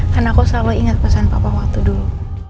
kan aku selalu inget pesan papa waktu dulu